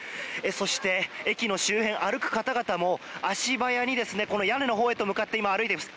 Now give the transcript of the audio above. そして、駅の周辺を歩く方々も足早に屋根のほうへと向かっています。